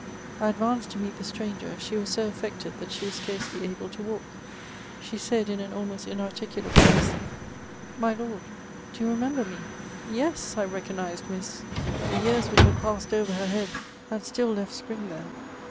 I advanced to meet the stranger; she was so affected that she was scarcely able to walk. She said, in an almost inarticulate voice, "My Lord^ do you remember me f" Yes, I recognised Miss ! The 394 MEMOIBS OF yean which had passed oyer her head had still left spring' there.